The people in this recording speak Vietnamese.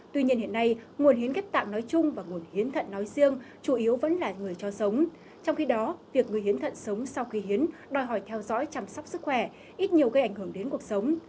tuy nhiên hiện nay nguồn hiến ghép thận nói chung và nguồn hiến thận nói riêng chủ yếu vẫn là người cho sống